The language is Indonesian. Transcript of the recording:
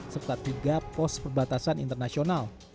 serta tiga pos perbatasan internasional